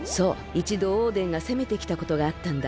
いちどオーデンがせめてきたことがあったんだ。